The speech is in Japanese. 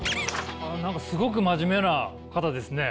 何かすごく真面目な方ですね。